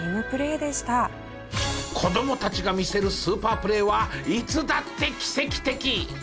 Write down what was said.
子どもたちが見せるスーパープレーはいつだって奇跡的！